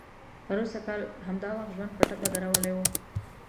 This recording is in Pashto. پروسږ کال همدا وخت ژوند په ټپه درولی و.